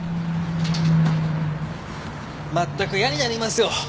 まったく嫌になりますよ。